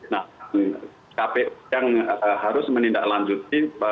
nah kpu yang harus menindaklanjuti